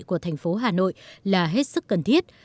của thành phố hà nội là hết sức cần thiết